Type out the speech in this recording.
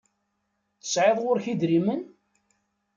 Tesɛiḍ ɣur-k idrimen?